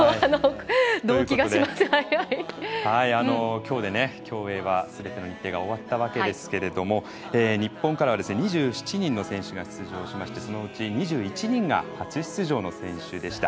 きょうで競泳はすべての日程が終わったわけですけれども日本からは２７人の選手が出場しましてそのうち２１人が初出場の選手でした。